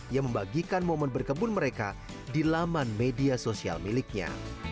ia membagikan momen berkebun mereka di laman media sosial miliknya